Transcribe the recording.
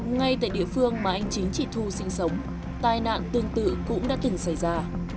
ngay tại địa phương mà anh chính chị thu sinh sống tai nạn tương tự cũng đã từng xảy ra